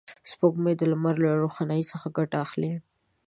سپوږمۍ د لمر له روښنایي څخه ګټه اخلي